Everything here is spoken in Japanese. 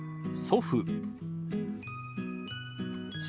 祖父。